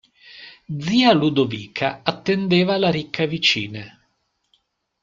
Zia Ludovica attendeva la ricca vicina.